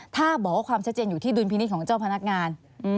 ถ้าบอกว่าความชัดเจนอยู่ที่ดุลพินิษฐ์ของเจ้าพนักงาน